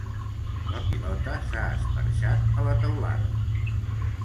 La pilota s'ha esperxat a la teulada